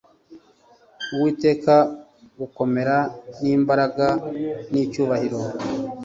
Uwiteka gukomera n imbaraga n icyubahiro